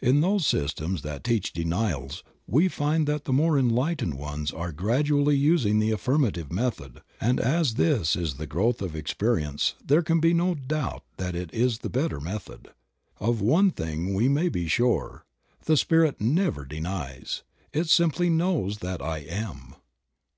In those systems that teach denials we find that the more enlightened ones are gradually using the affirmative method, and as this is the growth of experi ence there can be no doubt that it is the better method. Of one thing we may be sure, the Spirit never denies. It simply knows that I am.